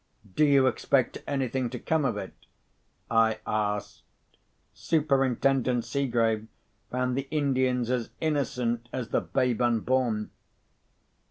"Do you expect anything to come of it?" I asked. "Superintendent Seegrave found the Indians as innocent as the babe unborn."